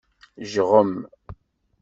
Jɣem.